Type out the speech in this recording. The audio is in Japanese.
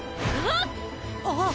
ああ！